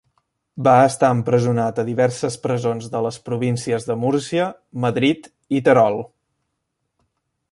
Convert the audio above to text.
Va estar empresonat a diverses presons de les províncies de Múrcia, Madrid i Terol.